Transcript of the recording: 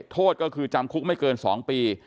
โทษก็คือจำคุกไม่เกิน๒ปี